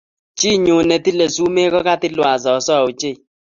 Chiinyu ne tile sumee ko katilwan soso ochei